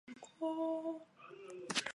鲁菲阿克托洛桑。